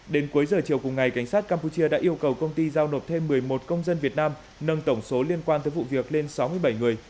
đến cuối giờ chiều cùng ngày cảnh sát campuchia đã yêu cầu công ty giao nộp thêm một mươi một công dân việt nam nâng tổng số liên quan tới vụ việc lên sáu mươi bảy người